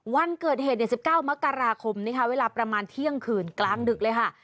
วันเกิดเหตุ๑๙มกราคมนะคะเวลาประมาณเที่ยงคืนกลางดึกเลยค่ะ